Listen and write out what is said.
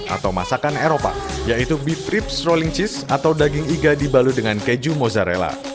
atau masakan eropa yaitu bee trip strolling cheese atau daging iga dibalu dengan keju mozzarella